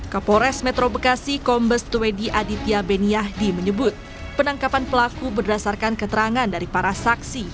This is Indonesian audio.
kapolres metro bekasi kombes tuwedi aditya beniahdi menyebut penangkapan pelaku berdasarkan keterangan dari para saksi